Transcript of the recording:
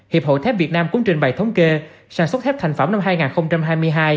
hiệp hội thép việt nam cũng trình bày thống kê sản xuất thép thành phẩm năm hai nghìn hai mươi hai